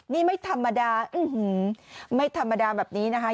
นี่ไม่ธรรมดาไม่ธรรมดาแบบนี้นะคะ